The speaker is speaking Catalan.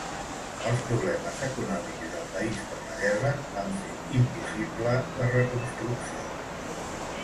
Els problemes econòmics del país per la guerra van fer impossible la reconstrucció.